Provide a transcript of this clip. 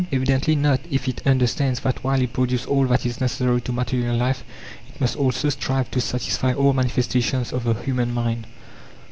Evidently not, if it understands that while it produces all that is necessary to material life, it must also strive to satisfy all manifestations of the human mind.